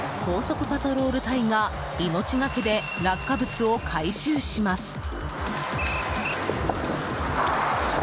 高速パトロール隊が命がけで落下物を回収します。